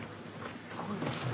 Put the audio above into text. すごいですね。